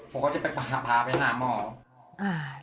ผมก็จะไปพาพาไปหาหมออ่า